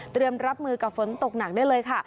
รับมือกับฝนตกหนักได้เลยค่ะ